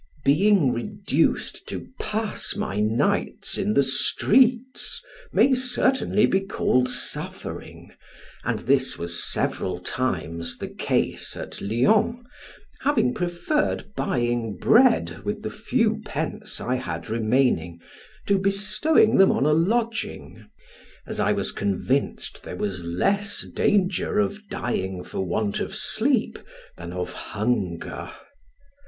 Being reduced to pass my nights in the streets, may certainly be called suffering, and this was several times the case at Lyons, having preferred buying bread with the few pence I had remaining, to bestowing them on a lodging; as I was convinced there was less danger of dying for want of sleep than of hunger.